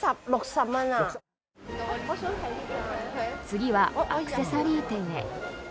次はアクセサリー店へ。